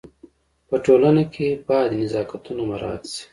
په ټولنه کي باید نزاکتونه مراعت سي.